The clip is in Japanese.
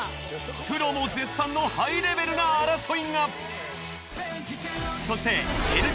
プロも絶賛のハイレベルな争いが。